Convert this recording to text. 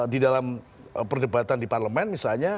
di dalam perdebatan di parlemen misalnya